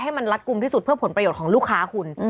ให้มันรัดกลุ่มที่สุดเพื่อผลประโยชน์ของลูกค้าคุณ